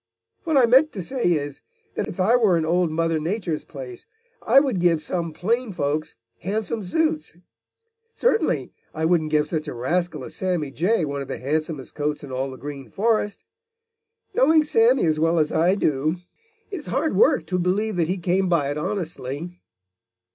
What I meant to say is, that if I were in Old Mother Nature's place, I would give some plain folks handsome suits. Certainly, I wouldn't give such a rascal as Sammy Jay one of the handsomest coats in all the Green Forest. Knowing Sammy as well as I do, it is hard work to believe that he came by it honestly."